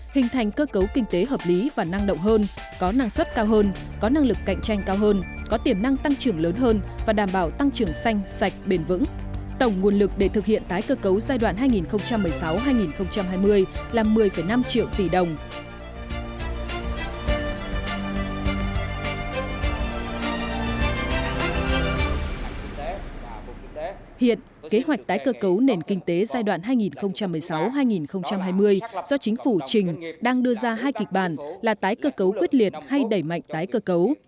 hiện kế hoạch tái cơ cấu nền kinh tế giai đoạn hai nghìn một mươi sáu hai nghìn hai mươi do chính phủ trình đang đưa ra hai kịch bản là tái cơ cấu quyết liệt hay đẩy mạnh tái cơ cấu